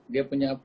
dia punya apa